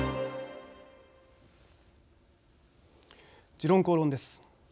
「時論公論」です。